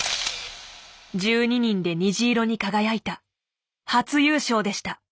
１２人で虹色に輝いた初優勝でした。